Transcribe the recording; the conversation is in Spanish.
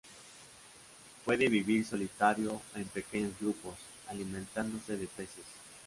Puede vivir solitario o en pequeños grupos, alimentándose de peces.